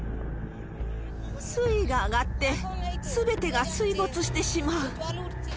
水位が上がって、すべてが水没してしまう。